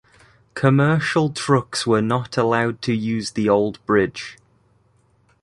Commercial trucks were not allowed to use the old bridge.